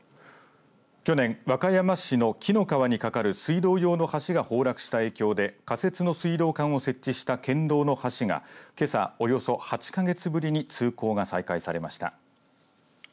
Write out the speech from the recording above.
去年、和歌山市の紀の川に架かる水道用の橋が崩落した影響で仮設の水道管を設置した県道の橋がけさ、およそ８か月ぶりに通行が再開されました。